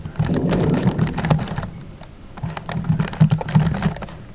nyundo zilizokuwa zikitumika kutengenezea zana zingine